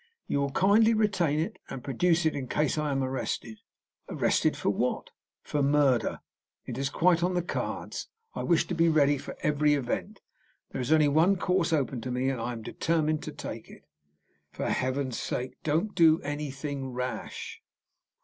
"You will kindly retain it, and produce it in case I am arrested." "Arrested? For what?" "For murder. It is quite on the cards. I wish to be ready for every event. There is only one course open to me, and I am determined to take it." "For Heaven's sake, don't do anything rash!"